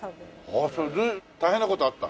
ああそれで大変な事あった？